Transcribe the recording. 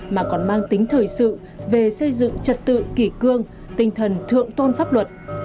mà còn mang tính thời sự về xây dựng trật tự kỷ cương tinh thần thượng tôn pháp luật